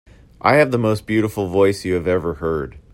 I have the most beautiful voice you have ever heard.